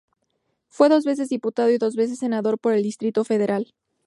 Fue dos veces diputado y dos veces senador por el Distrito Federal.